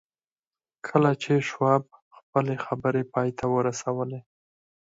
کله چې شواب خپلې خبرې پای ته ورسولې